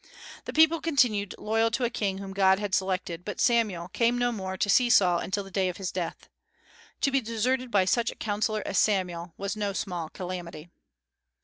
The people continued loyal to a king whom God had selected, but Samuel "came no more to see Saul until the day of his death." To be deserted by such a counsellor as Samuel, was no small calamity.